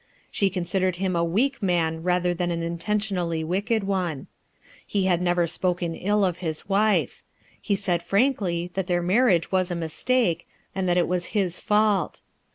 She considered him a weak man rather than an intentionally wicked one. He had never spoken ill of his wife. He said frankly that their marriage was a mistake, and that it was his fault.